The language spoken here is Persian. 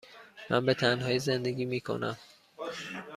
من به تنهایی زندگی می کنم.